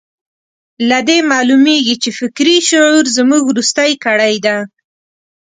له دې معلومېږي چې فکري شعور زموږ وروستۍ کړۍ ده.